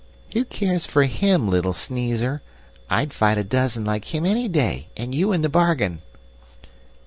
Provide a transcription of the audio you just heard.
"Who cares for HIM, little sneezer? I'd fight a dozen like him any day, and you in the bargain."